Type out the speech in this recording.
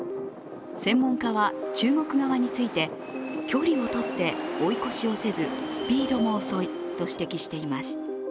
専門家は、中国側について距離をとって追い越しをせずスピードも遅いと指摘しています。